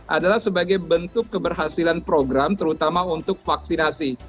adalah sebagai bentuk keberhasilan program terutama untuk vaksinasi